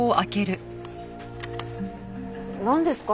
なんですか？